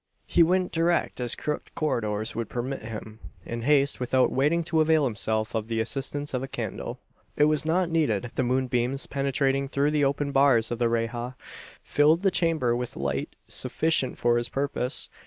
He went direct as crooked corridors would permit him in haste, without waiting to avail himself of the assistance of a candle. It was not needed. The moonbeams penetrating through the open bars of the reja, filled the chamber with light sufficient for his purpose.